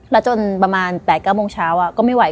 แล้วจนประมาณ๘๙โมงเช้าก็ไม่ไหว